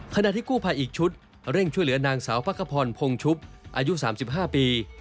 ขณะที่กู้ภัยอีกชุดเร่งช่วยเหลือนางสาวพักขพรพงชุบอายุ๓๕ปี